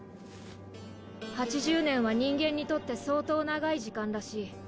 ８０年は人間にとって相当長い時間らしい。